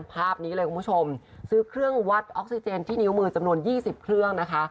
ภาพนี้เลยคุณผู้ชมซื้อเครื่องวัดออกซิเจนที่นิ้วมือจำนวน๒๐เครื่องนะคะ